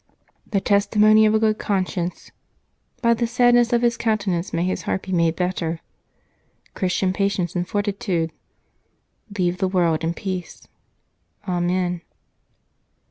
"The testimony of a good conscience." "By the sadness of his countenance may his heart be made better." "Christian patience and fortitude." "Leave the world in peace." "Amen."